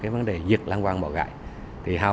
vấn đề diệt lăng quang bỏ gại